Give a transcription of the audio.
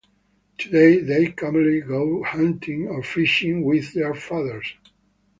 Today they commonly go hunting or fishing with their fathers.